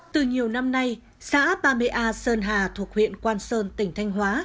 từ nhiều năm nay xã ba mươi a sơn hà thuộc huyện quan sơn tỉnh thanh hóa